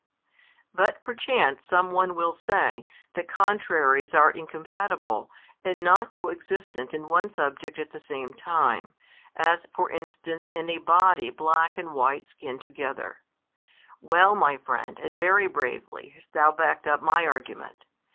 But perchance some one will say, that contraries are incompatible, and not co existent in one subject at the same time, as for instance in a body white and black skin together. Well, my friend, and very bravely hast thou backed up my argument.